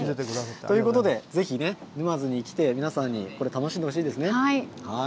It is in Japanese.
ということで、ぜひね、沼津に来て、皆さんにこれ、楽しんでほしいですね。